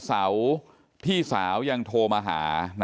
ตลอดทั้งคืนตลอดทั้งคืน